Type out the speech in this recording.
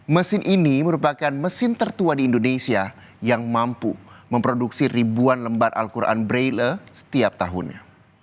mesin ini merupakan mesin tertua di indonesia yang mampu memproduksi ribuan lembar al quran braille setiap tahunnya